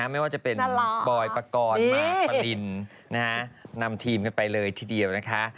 ไม่ว่าจะเป็นบอยปกรณ์มากปะลินนำทีมกันไปเลยทีเดียวนะคะ